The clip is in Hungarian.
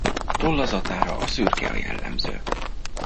Tollazatára a szürke a jellemző.